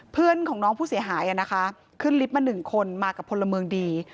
เพื่อนของน้องผู้เสียหายนะคะขึ้นลิฟต์มา๑คนมากับพลเมืองดี